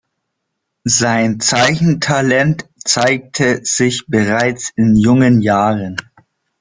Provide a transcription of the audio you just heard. Sein Zeichentalent zeigte sich bereits in jungen Jahren.